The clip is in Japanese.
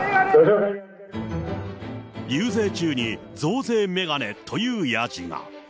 遊説中に、増税メガネというやじが。